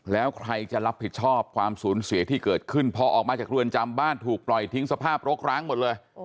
แล้วใครจะรับผิดชอบความสูญเสียที่เกิดขึ้นพอออกมาจากเรือนจำบ้านถูกปล่อยทิ้งสภาพรกร้างหมดเลย